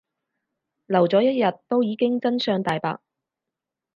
留咗一日都已經真相大白